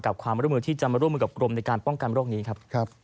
ความร่วมมือที่จะมาร่วมมือกับกรมในการป้องกันโรคนี้ครับ